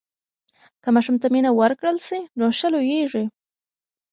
که ماشوم ته مینه ورکړل سي نو ښه لویېږي.